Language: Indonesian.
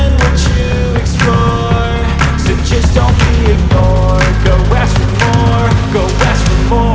nunik bisa pinjamkan ke para petani